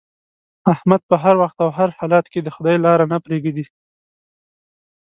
احمد په هر وخت او هر حالت کې د خدای لاره نه پرېږدي.